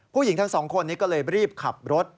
ผู้หญิงทั้งสองคนนี้ก็เลยรีบขับรถ